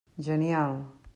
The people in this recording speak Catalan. Genial!